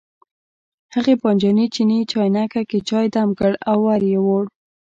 هغې بانجاني چیني چاینکه کې چای دم کړ او ور یې وړ.